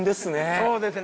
そうですね。